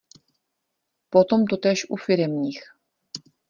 Potom totéž u firemních.